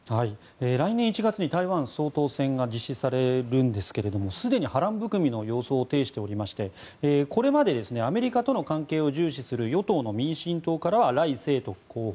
来年１月に台湾総統選が実施されるんですが、すでに波乱含みの様相を呈していましてこれまでアメリカとの関係を重視する与党の民進党からはライ・セイトク候補。